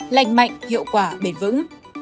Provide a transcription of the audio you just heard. lành mạnh hiệu quả bền vững